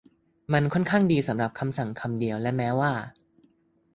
มันค่อนข้างดีสำหรับคำสั่งคำเดียวและแม้ว่า